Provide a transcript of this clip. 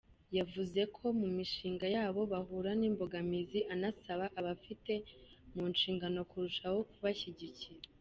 Yavuze ko mu mishinga yabo bahura n’imbogamizi, anasaba ababifite mu nshingano kurushaho kubashyigikira.